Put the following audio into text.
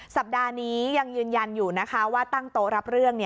สัปดาห์นี้ยังยืนยันอยู่นะคะว่าตั้งโต๊ะรับเรื่อง